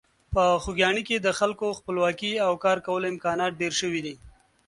په خوږیاڼي کې د خلکو خپلواکي او کارکولو امکانات ډېر شوي دي.